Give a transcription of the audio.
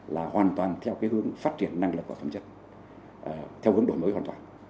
là hoàn toàn theo cái hướng phát triển năng lực của phẩm chất theo hướng đổi mới hoàn toàn